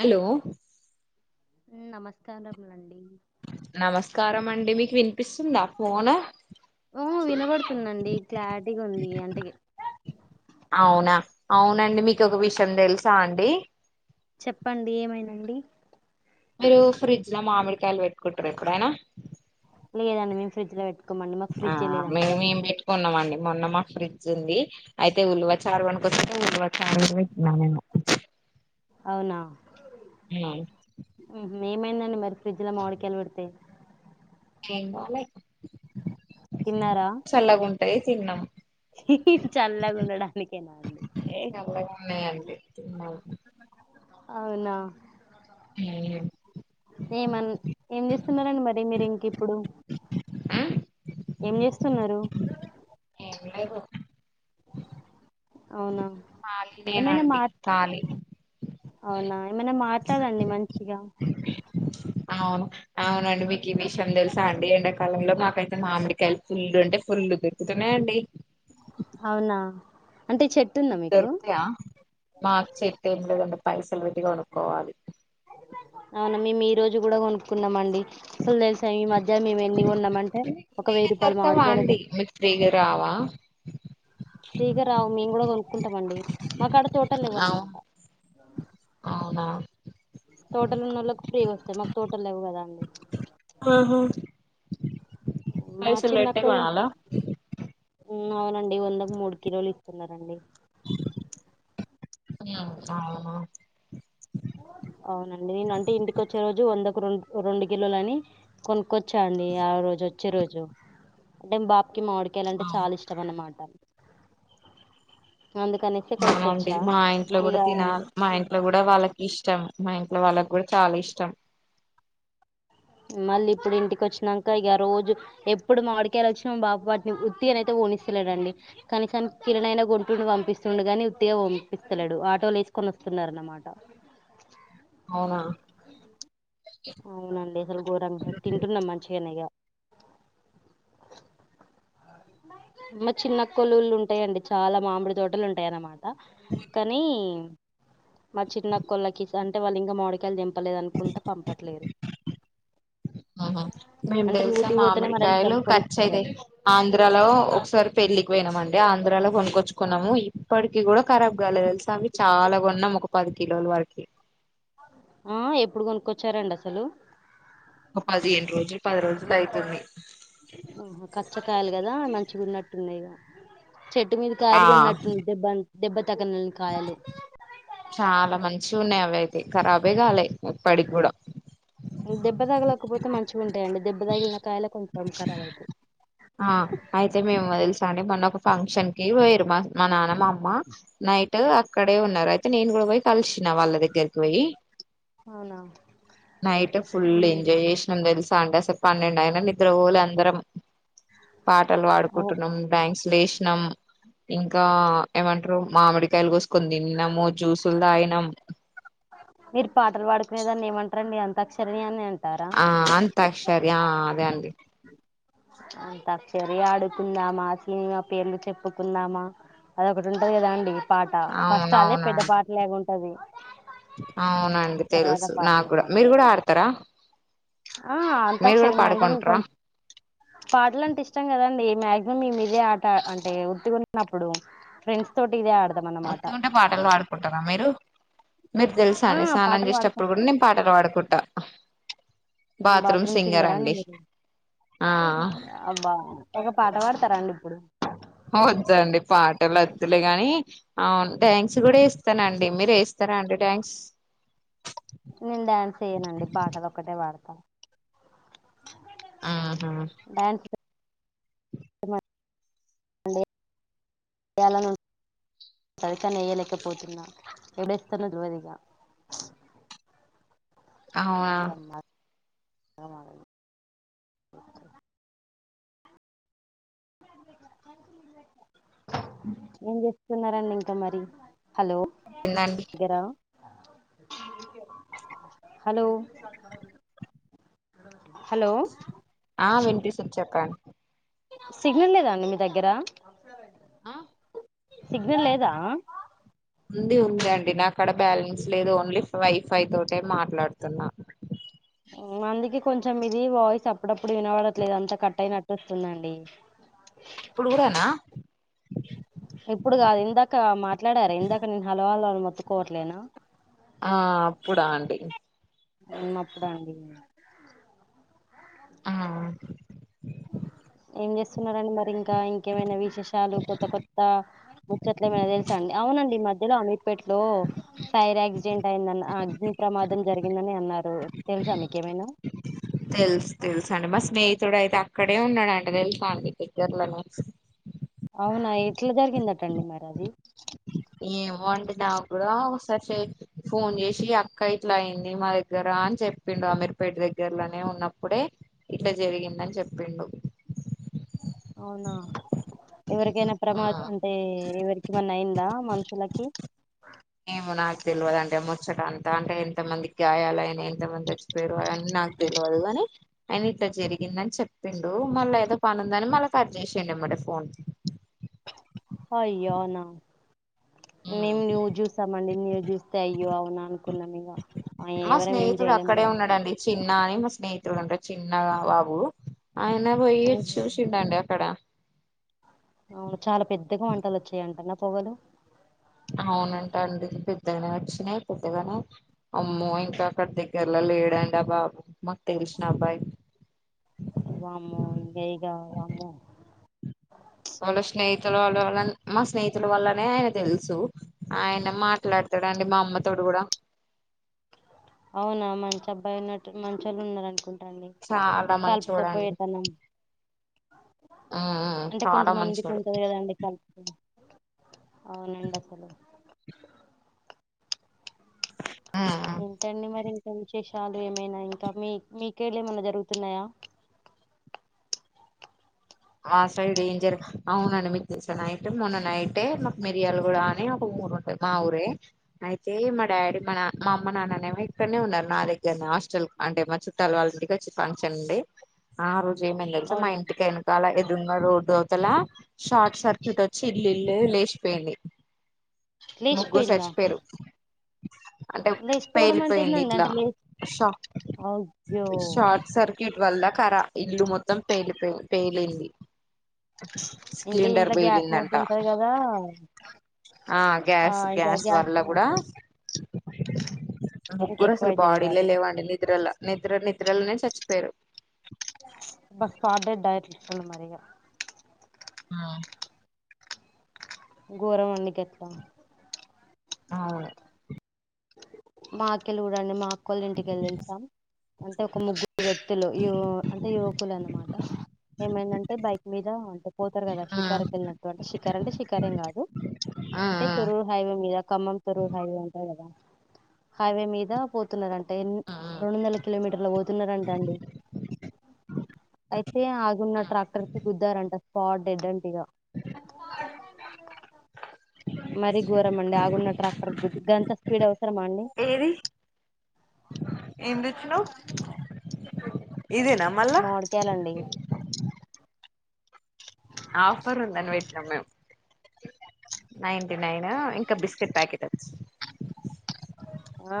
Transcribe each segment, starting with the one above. Hello నమస్కారమండి నమస్కారం అండి మీకు వి ఉ వినబడుతుందండి క్లారిటీగా ఉంది ఎంతకి అవునా అవునండి మీకు ఒక విషయం తెలుసా అండి చెప్పండి ఏమైనండి మీరు ఫ్రిడ్జ్ లో మామిడికాయలు పెట్టుకుంటార ఎప్పుడయినా లేదండి మేము ఫ్రిడ్జ్ లో పెట్టుకోమండి మాకు ఆ ఫ్రిడ్జ్ లేదండి మేము ఫస్ట్ ఏం పెట్టుకున్నాం అండి మొన్న మా ఫ్రిడ్జ్ ఉంది అయితే ఉల్వ చారు గోనుక వస్తే ఉల్వ చారు పెట్టినా నేను అవునా ఉమ్ ఏమైందండి మరి ఫ్రిడ్జ్ లో మామిడికాయలు పెడితే ఏం కాలే తిన్నారా చల్లగుంటాయి తిన్నాము చల్లగా ఉండడానికేనా అండి చల్లగా ఉన్నాయండడి తిన్నాం అవునా మేమన్ ఏం చేస్తున్నారండి మరి మీరు ఇంక ఇప్పుడు ఏం చేస్తున్నారు ఏం లేదు అవునా ఖాళీ ఏమైనా మా నేనండి ఖాళీ అవునా ఏమైనా మా ట్లడండి మంచిగా అవును అవునండి మీకు ఈ విషయం తెలుసా అండి ఎండాకాలంలో మాకైతే మామిడికాయలు ఫుల్లు అంటే ఫు పుల్ దోరుకుతున్నయండి అవునా అంటే చెట్టు ఉందా మీకు దోరుకుతయ మాకు చేసేట్లు ఏమి లేవు అండి పైసలు పెట్టు కోనుక్కోవాలి అవునా మేము ఈ రోజు కూడా కొనుక్కున్నాంమండి అసలు తెలుసా ఇ మధ్య మే ఉన్నామంటే మీకు ఒక వెయ్యి ఫ్రీగా రూపాయలు దొరకవా మామిడికాయ లకీ అండి మీకు ఫ్రీగా రావా ఫ్రీగా రావు మేము కూడా కొనుక్కుంటాం అండి మాకు ఆడ తోటలు అవు లేవన్నమాట అవునా తోటలు ఉన్నోళ్ళకి ఫ్రీగా వస్తాయి మాకు తోటలు లేవు కదా అండి ఆహా మా పైసలేట్ట చిన్నక్కోళ్ళు కానాలా అవునండి వంద కి మూడు కిలోలు ఇస్తున్నారండి అవునా అవునండి నేను అంటే ఇంటికి వచ్చే రోజు వందకు రెండు రెండు కిలోలు అని కొను కోచ్చా అండి ఆ రోజు వచ్చే రోజు అంటే బా కి మామిడికాయలు అంటే అవును. చాలా ఇష్టం అనమాట అవునండి కొనుక్కొచ్చా మా ఇంట్లో కూడా ఇక తినాలి మా ఇంట్లో కూడా వాళ్ళకి ఇష్టం మా ఇంట్లో వాళ్ళకి కూడా చాలా ఇష్టం మళ్ళీ ఇప్పుడు ఇంటికొచ్చినంకా ఇగ రోజు ఎప్పుడు మామిడి కాయలొచ్చిన మా బాప వాటిని ఉత్తిగన అయితే పోనీ స్తలేడండి కనీసానికి కిలణైన గొంట్టుండు పంపిస్తుడు గాని ఉత్తిగా పంపిస్తలేడు ఆటోలు వేసుకొనొస్తా స్తున్నారన్నమాట అవునా అవునండి అసలు గోరంగా తింటున్నాం మంచిగనే ఇగ ఇంగ చిన్న అక్కోళ్ళు ఊళ్ళు ఉంటాయండి చాలా మామిడి తోటలు ఉంటాయి అన్నమాట ట కానీ మా చిన్నక్కోళ్లకి స అంటే వాళ్ళు ఇంగా మూడికాయలు తెంపు తెంపలేదనుకుంట పంపట్లేరు అహా మేము అంటే తెలుసాం ఊటికి పోతేనే మరి ఆళ్ళు మామిడికాయలు తెంపుకొని ఖర్చ వస్తారు అయితయి కదా ఆంధ్ర ఆంధ్రాలో ఒకసారి పెళ్లికి పోయినామ అండి ఆంధ్రాలో కొనుక్కొచ్చుకున్నాము ఇప్పటికి కి కూడా కరాబ్ కాలేదు తెలుసా అవి చాలా కొన్నాం ఒక పది కిలోల వరకి ఆ ఎప్పుడు కొనుక్కొచ్చారండి అసలు ఒక పదిహేను రోజులు పది రోజులు అయితుంది ఆహా కచ్చకాయలు కదా మంచిగున్నట్టున్నాయి ఇగ చెట్టు మీద ఆ కాయలు కొనట్టు దెబ్బంత దెబ్బ తగనని కాయలు చాలా మంచిగున్నాయి అవ అయితే ఖరాబే కాలే ఇప్పటికి కూడా దెబ్బ తగలేకపోతే మంచిగా ఉంటాయ అండి దెబ్బ తగిలిన కాయలే కొంచెం ఖరాబ్ అవుతయి ఆ అయితే మేము తెలుసా అండి మొన్న ఒక ఫంక్షన్ కి పోయిరు మా మా నాన్నమా అమ్మ నైట్ అక్కడే ఉన్నారు అయితే నేను కూడా పోయి కలిసిన వాళ్ళ దగ్గర పోయి అవునా నైట్ ఫుల్ ఎంజాయ్ చేసినం తెలుసా సండే సే పన్నెండు అయిన నిద్ర పోలే అందరం పాటలు అవు పాడుకుంటున్నాం డ్యాన్స్ లేసినాం ఇంకా ఏమన్ టరు మామిడికాయలు కోసుకని తిన్నాము జ్యూసులు తాగినము మీరు పాటలు పాడుకునేదాన్ని ఏమంటారండి అంతాక్షరి అని అ ఆ అంతక్షరి ఆ అదే అండి అంతక్షరి ఆడుకుందామా సినిమా పేర్లు చెప్పుకుందామా అదొకటి ఉంటది కదా అండి పాట ఫస్ట్ అదే పెద్ద అవునవునండి పాటలగా ఉంటది అవునండి తర్వాత తెలుసు నాకు పాటలు కూడా మీరు కూడా ఆడతారా ఆ మీరు కూడా అంతక్షరి మీ అంటే మీ పాడుకుంటారా కోన్ పాటలుంటే ఇష్టం కదండి మాక్సిమం మేము ఇదే ఆట అంటే వుత్తిగున్నప్పుడు ఫ్రెండ్స్ తోటి ఇదే ఆడదాం అన్నమాట వుత్తిగుంటే పాటలు పాడుకుంటారా మీరు మీరు తెలుసా ఆ అండి స్నానం పాటలు పాడతాం చేసేటప్పుడు కూడా నేను పాటలు పాడుకుంటా బాత్రూమ్ సింగర్ అండి ఆ అబ్బా ఒక పాట పాడతారండి ఇప్పుడు ఆ వద్దండి పాటలు వద్దులే గాని అవును డాన్స్ కూడా ఎస్తానండి మీరు ఎస్త ఇస్తారా అండి డాన్స్ నేను డ్యాన్స్ ఎయ్యనండి బాటలు ఒక్కటే పాడతా ఆహా అ చేయాలని పైతాన్ని ఎయలేకపోతున్నా ఎవడేస్తాను తెల్వదు ఇగ అవునా అవును ఏం చేస్తున్నారండి ఇంకా మరి. హలో! ఉందండి ఉన్నారా హలో! హలో ఆ వినిపిస్తుంది చెప్పండి. సిగ్నల్ లేదాండి మీ దగ్గర ఆ సిగ్నల్ లేదా ఉంది ఉంది అండి నా కాడ బ్యాలెన్స్ లేదు. ఓన్లీ వైఫై తోటే మాట్లాడుతున్నా. మందికి కొంచెం ఇది వాయిస్ అప్పుడప్పుడు వినబడట్లేదు అంట కట్ అయినట్టు వస్తుందండి. ఇప్పుడు కూడానా ఇప్పుడు కాదు ఇందాక మాట్లాడారా ఇందాక నేన్ హలో హలో అని మొత్ మొత్తుకోట్లెనా ఆ అప్పుడా అండి. ఉ అప్పుడేండి మ్ ఉ ఏం చేస్తున్నారండి మరి ఇంకా, ఇంకేమైనా విశేషాలు కొత్త కొత్త ముచ్చట్లెమైనా తెలుసా అండి. అవునండి మధ్యలో అమిర్ అమీర్ పేట్ లో ఫైర్ యాక్సిడెంట్ అయిందని అగ్ని ప్రమాదం జరిగిందని అన్నారు తెల్సా మీకేమైనా? తెల్సు తెలుసండి స్నేహితుడయితే అక్కడే ఉన్నాడంట తెల్సా అండి దగ్గర లోనే అవునా ఎట్లా జరిగిందటండి మరి అది [inaudible] ఏమో అండి నాక్కూడా ఒకసారి ఫోన్ చేసి అక్క ఇట్లా అయింది మా దగ్గర అని చెప్పిండు అమీర్పేట్ దగ్గర్లనే ఉన్నప్పుడే ఇట్లా జరిగిందని చెప్పిండు. అవునా ఎవరికైనా ఆ ప్రమాదము అంటే ఎవరికెమన్న అయిందా? మనుషులకి ఏమో నాకి అయితే తెల్వదండి ఆ ముచ్చట అంతా. అంటే ఎంత మంది కి గాయాలయినాయ్ ఎంతమంది చచ్చిపోయినారు. అవన్నీ నాకు తెల్వదు గాని ఆయనిట్లా జరిగిందని చెప్పిండు. మళ్ళా ఏదో పనుందని మళ్ళా కట్ చేసిండు. ఎమ్మడే ఫోన్ అయ్యో అవునా ఉమ్. మేము న్యూస్ చూసామండి న్యూస్ చూస్తే అయ్యో అవునా అనుకున్నామిగ. మా స్నేహితుడక్కడే ఉన్నాడండి చిన్న అని మా స్నేహితుడు అంటే చిన్న బాబు ఆయన పోయి చూసిండంట అక్కడ. అవును చాలా పెద్దగా మంటలోచ్చాయంటనా పొగలు పెద్దగనే వచ్చినాయి పెద్దగానే. అమ్మో ఇంకా అక్కడ దగ్గర లో లేడండి ఆ బాబు మాకు తెలిసిన అబ్బాయి వామ్మో ఇంక ఎంగాలే వామ్మో వాళ్ళ స్నేహితులు వాళ్ళు ఎవరన్నా మా స్నేహితుల వల్లనే తెల్సు ఆయన మాట్లాడతాడండి మా అమ్మతోటి గూడా [inaudible] అవునా మంచి అబ్బాయి ఉన్నట్టు మంచొళ్ళు ఉన్నారనుకుంట. అండి చాలా కలుపుకపోయె మంచోడండి తనం ఉమ్ అంటే చాలా కొంతమందికి మంచోడు ఉంటది కదండి కల్ అవునండి అసలు ఉమ్ ఏంటండి మరి ఇంకా విశేషాలు. ఏమైనా ఇంకా మీ మీకేళ్లి ఏమన్నా జరుగుతున్నాయా? [unintelligible] ఆ సైడేంజర్ అవునండి మీక్ తెల్సా నైట్ మొన్న నైటే మాక్ మిరియాల గూడా అని ఒక ఊర్ ఊరుంటది మా ఊరే అయితే మా డాడీ మా నా మా అమ్మ నాన్ననేమో ఇక్కన్నె ఉన్నారు నా దగ్గర్నే ఆ హస్టల్ అంటే మా చుట్టాల్ వాళ్ళింకొచ్చి ఫంక్షన్ ఉంది ఆ రోజు ఏమైంది తెల్సా మా అవునా ఇంటికైన ఎదురున్న రోడ్డు అవతల షార్ట్ సర్క్యూటోచ్చి ఇల్లు ఇల్లే లేషిపోయింది ముగ్గురు లేచిపోయిందా చచ్చిపోయిర్రు అంటే లేచిపోవడం అంటే ఏందండి పేలిపోయిందిట్లా అంటే లే ష అయ్యో షార్ట్ సర్క్యూట్ వల్ల కరా ఇల్లు మొత్తం పేలిపోయింది పేలింది ఇంకా సిలిండర్ ఇంట్లో గ్యాస్ మొద్దు పెలిందంట ఉంటది కదా ఆ గ్యాస్ గ్యాస్ వల్ల గూడ ఇంక ఎక్కువ ముగ్గురసలు అయితది ఇగ బాడీలే అది లేవండి నిద్రల నిద్ర నిద్రల్నే చచ్చిపోయిర్రు అబ్బా స్పాట్ డెడ్ డైట్ల్ చేసును మరిగ ఉమ్ గోరం అండి గట్లా అవును మాకెలూరండి మా అక్కొళ్ళింటికెల్లా తెల్సా అంటే ఒక ముగ్గురు వ్యక్తులు యువ అంటే యువకులు అన్నమాట ఏమైందంటే బైక్ మీద అంటే పోతారు కదా ఆ షికార్కి వెళ్ళినట్టు అంటే షికార్ అంటే షికార్ ఏం కాదు ఆ అంటే తూరూర్ హైవే మీద ఖమ్మం తూరూర్ హైవే అంటారు కదా హైవే మీద పోతున్నార ఆ ఆ అ రెండొందల కిలోమీటర్లు పోతున్నారంట అండి అయితే ఆగున్న ట్రాక్టర్ కి గుద్దారంట స్పాట్ డెడ్ అంట ఇగ [inaudible] మరీ ఘోరంమండి ఆగున్న ట్రాక్టర్ గుడ్డేంత స్పీడ్ అవసరమా అండి ఏది ఏం తెచ్చినావ్ మామిడికాయలండి ఆఫర్ ఉందని పెట్టినాము మేం నైన్ అయినా ఇంక బిస్కెట్ ప్యాకెట్ వచ్చింది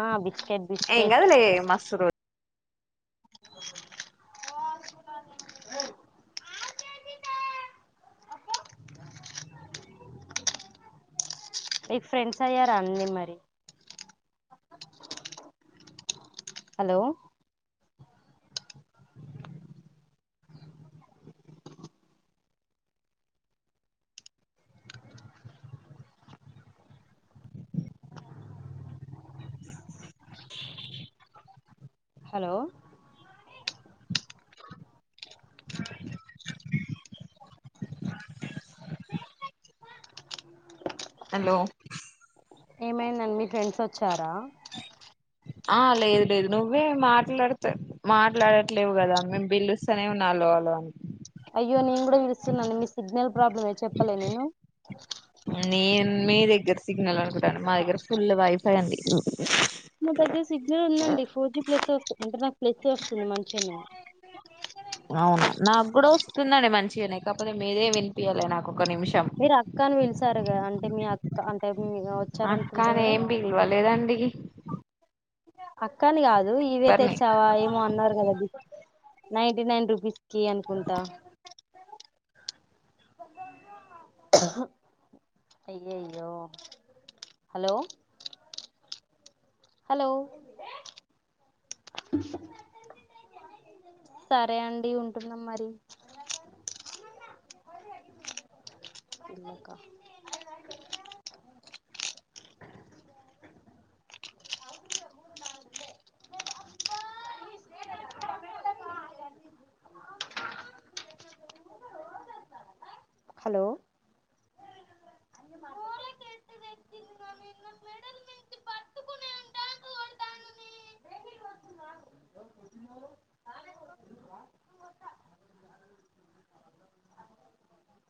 ఆ బి ఎంకాదులే మస్తూరు [inaudible] అంది [inaudible] మీకు ఫ్రెండ్స్ అయ్యారా అండి మరి అ హలో హలో హలో ఏమైందండి మీ ఫ్రెండ్స్ వచ్చారా ఆ లేదు లేదు నువ్వే మాట్లాడతే మాట్లాడట్లేవు కదా మేము పిల్లుస్తనే ఉ హలో హలో అని అయ్యో నేను కూడా పిలుస్తున్నాను మీ సిగ్నల్ ప్రాబ్లం ఏ చెప్పలే నేను నేను మీ దగ్గర సిగ్నల్ అనుకుంటాను మా దగ్గర ఫుల్ వైఫై ఉంది నా దగ్గర సిగ్నల్ ఉందండి ఫోర్ జీ ప్లస్ వస్తంది అంటే నాకు ప్లెస్ వస్తుంది మంచిగానే అవునా నాకు కూడా వస్తుందండి మంచిగానే కాకపోతే మీదే వినిపియ్యలే నాకు ఒక నిమిషం మీరు అక్క అని పలిచారుగా అంటే మీ అక్క అంటే వచ్చారనుకుంటే అక్కని ఎవరు ఏం పిల్వలేదండి. అక్కాఅని కాదు ఇవే తెచ్చావా ఏమో అన్నారు కదా నైంటీ నైన్ రూపీస్ కి అనుకుంటా అయ్యో, హలో! హలో సరే అండి ఉంటా మరి [unintelligible] [inaudible] అఊరు నాలు [unintelligible] హలో